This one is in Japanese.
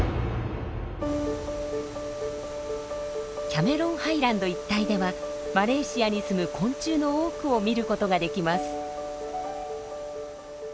キャメロンハイランド一帯ではマレーシアに住む昆虫の多くを見ることができます。